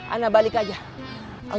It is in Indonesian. anda balik aja